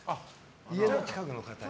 家の近くの方に。